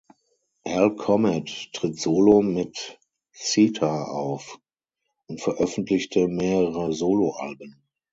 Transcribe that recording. Al Comet tritt solo mit Sitar auf und veröffentlichte mehrere Solo-Alben.